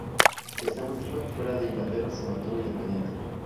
Esta última, fuera de Inglaterra se mantuvo independiente.